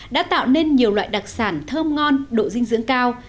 đã tạo nên nhiều loại đặc sản thơm ngon độ dinh dưỡng cao